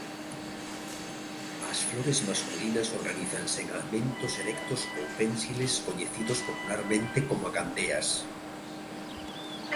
As flores masculinas organízanse en amentos erectos ou pénsiles coñecidos popularmente coma candeas.